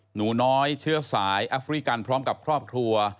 หนูน้อยเชื้อสายแอฟริกันพร้อมกับครอบครัว